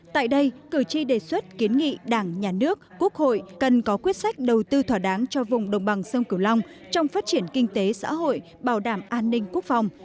tại đây cử tri đề xuất kiến nghị đảng nhà nước quốc hội cần có quyết sách đầu tư thỏa đáng cho vùng đồng bằng sông cửu long trong phát triển kinh tế xã hội bảo đảm an ninh quốc phòng